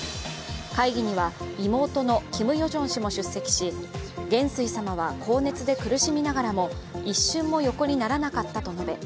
会議には、妹のキム・ヨジョン氏も出席し、元帥様は高熱で苦しみながらも一瞬も横にならなかったと述べ